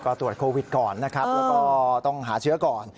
ก็ตรวจโควิดก่อนนะครับแล้วก็ต้องหาเชื้อก่อน